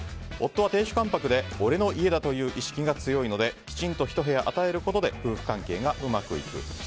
夫は亭主関白で俺の家だという意識が強いのできちんと１部屋与えることで夫婦関係がうまくいく。